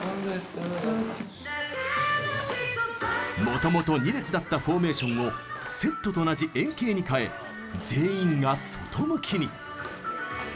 もともと２列だったフォーメーションをセットと同じ円形に変え全員が外向きに。